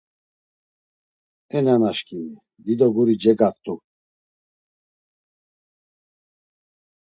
E nanaşǩimi, dido guri cegat̆u.